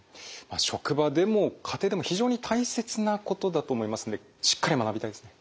職場でも家庭でも非常に大切なことだと思いますんでしっかり学びたいですね。